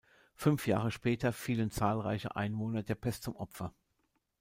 Fünf Jahre später fielen zahlreiche Einwohner der Pest zum Opfer.